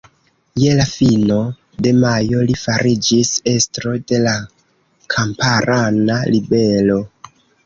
Je la fino de majo li fariĝis estro de la kamparana ribelo.